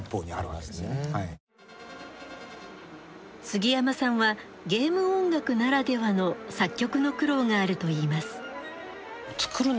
すぎやまさんはゲーム音楽ならではの作曲の苦労があるといいます。